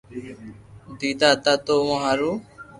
ديدا ھتا تو اووہ ھارو